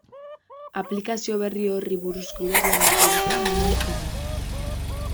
Aplikazio berri horri buruzko idazlan bat egitea nahi nuke hemen.